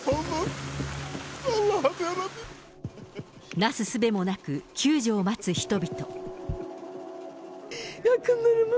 なすすべもなく、救助を待つ人々。